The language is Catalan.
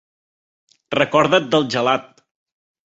Recorda't del gelat!